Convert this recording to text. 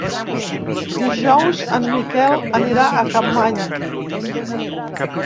Dijous en Miquel anirà a Capmany.